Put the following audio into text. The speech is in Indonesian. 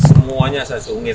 semuanya saya seunggit